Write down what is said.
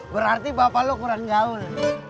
berarti bapak lo kurang gaul